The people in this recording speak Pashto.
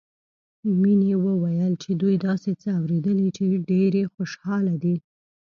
مينې وويل چې دوي داسې څه اورېدلي چې ډېرې خوشحاله دي